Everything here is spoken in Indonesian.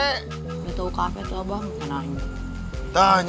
udah tau kafe tuh abah kenapa nangis